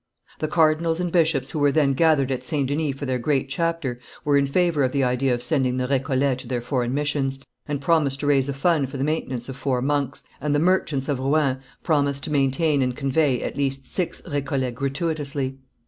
The cardinals and bishops who were then gathered at St. Denis for their great chapter, were in favour of the idea of sending the Récollets to their foreign missions, and promised to raise a fund for the maintenance of four monks, and the merchants of Rouen promised to maintain and convey at least six Récollets gratuitously.